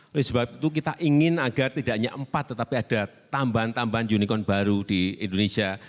oleh sebab itu kita ingin agar tidak hanya empat tetapi ada tambahan tambahan unicorn baru di indonesia